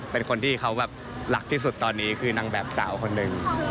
เป็นคนที่เขาแบบรักที่สุดตอนนี้คือนางแบบสาวคนหนึ่ง